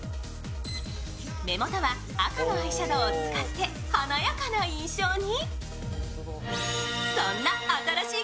目元は赤のアイシャドウを使って華やかな印象に。